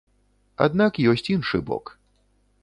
Аднак ёсць іншы бок.